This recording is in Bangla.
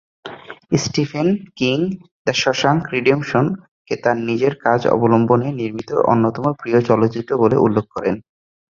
স্টিফেন কিং "দ্য শশাঙ্ক রিডেম্পশন"কে তার নিজের কাজ অবলম্বনে নির্মিত অন্যতম প্রিয় চলচ্চিত্র বলে উল্লেখ করেন।